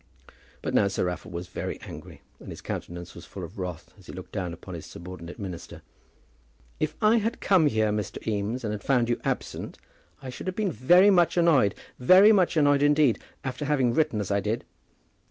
But now Sir Raffle was very angry, and his countenance was full of wrath as he looked down upon his subordinate minister. "If I had come here, Mr. Eames, and had found you absent, I should have been very much annoyed, very much annoyed indeed, after having written as I did."